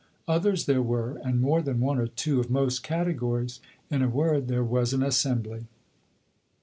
Others there were, and more than one or two of most categories: in a word, there was an assembly.